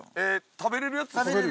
食べれるやつ。